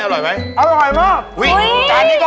อร่อยไหม